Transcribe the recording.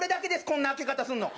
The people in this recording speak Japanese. こんな開け方すんの。